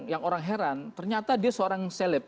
yang orang heran ternyata dia seorang seleb